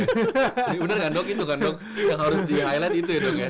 ini bener kan dok itu kan dok yang harus di highlight itu ya dok ya